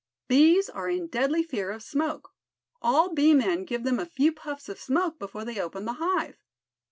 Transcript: Bees are in deadly fear of smoke. All bee men give them a few puffs of smoke before they open the hive."